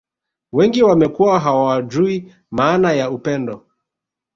Wengi wamekuwa hawajui maana ya upendo